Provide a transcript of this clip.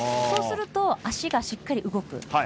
そうすると足がしっかり動く。